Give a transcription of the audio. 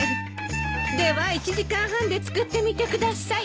では１時間半で作ってみてください。